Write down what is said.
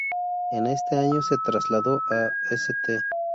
En este año se trasladó a St.